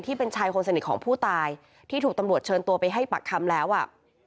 ที่เป็นชายคนสนิทของผู้ตายที่ถูกตำรวจเชิญตัวไปให้ปากคำแล้วอ่ะ